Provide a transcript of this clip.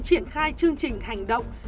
triển khai chương trình hành động